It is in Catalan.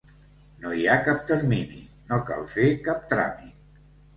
No hi ha cap termini; no cal fer cap tràmit.